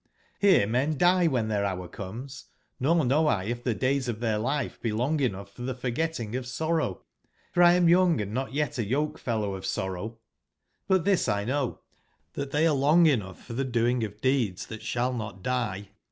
Here men die when their hour comes, nor know 1 if the days of their life be long enough for the forgetting of sor/ row; for 1 am young and not yet a yokefellow of sorrow; but this X know, that they are long enough for the doing of deeds that shall not die.